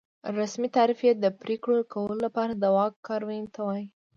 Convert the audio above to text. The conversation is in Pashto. رسمي تعریف یې د پرېکړو کولو لپاره د واک کارونې ته وایي.